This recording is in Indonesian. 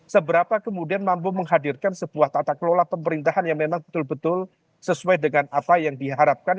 seberapa kemudian mampu menghadirkan sebuah tata kelola pemerintahan yang memang betul betul sesuai dengan apa yang diharapkan